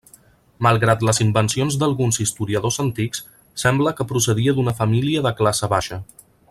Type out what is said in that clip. Malgrat les invencions d'alguns historiadors antics, sembla que procedia d'una família de classe baixa.